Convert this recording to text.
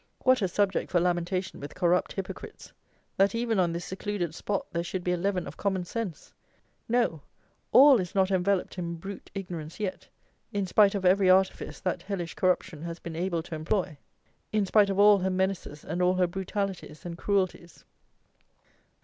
What a subject for lamentation with corrupt hypocrites! That even on this secluded spot there should be a leaven of common sense! No: all is not enveloped in brute ignorance yet, in spite of every artifice that hellish Corruption has been able to employ; in spite of all her menaces and all her brutalities and cruelties.